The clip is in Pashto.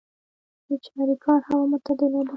د چاریکار هوا معتدله ده